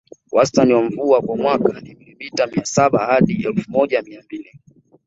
Wastani wa mvua kwa mwaka ni milimita mia saba hadi elfu moja mia mbili